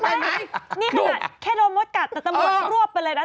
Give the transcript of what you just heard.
นี่มันแหละแค่โดนมดกาดตลอดรวบไปเลยนะ